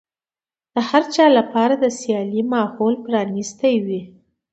د هر چا لپاره د سيالۍ ماحول پرانيستی وي.